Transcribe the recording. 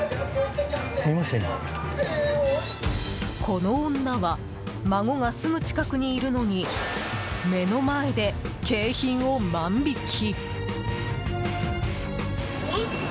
この女は孫がすぐ近くにいるのに目の前で景品を万引き。